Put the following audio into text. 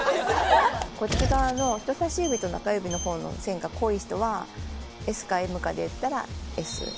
こっち側の人さし指と中指の方の線が濃い人はＳかＭかで言ったらＳ。